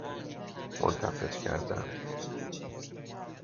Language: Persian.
ملتف کردن